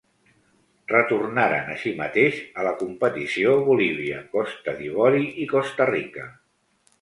Retornaren, així mateix, a la competició Bolívia, Costa d'Ivori i Costa Rica.